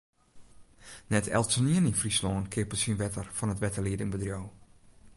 Net eltsenien yn Fryslân keapet syn wetter fan it wetterliedingbedriuw.